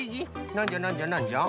なんじゃなんじゃなんじゃ？